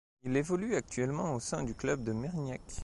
Il évolue actuellement au sein du club de Mérignac.